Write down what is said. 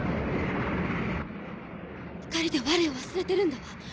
怒りでわれを忘れてるんだわ。